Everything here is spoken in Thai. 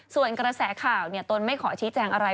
ในกระแสข่าวเนี่ยต้นไม่ขอชี้แจงอะไร